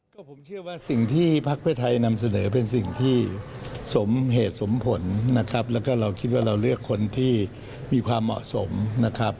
ก็ผมเชื่อว่าสิ่งที่พักเพื่อไทยนำเสนอเป็นสิ่งที่สมเหตุสมผลนะครับแล้วก็เราคิดว่าเราเลือกคนที่มีความเหมาะสมนะครับ